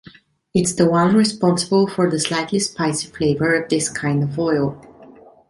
It’s the one responsible for the slightly spicy flavor of this kind of oil.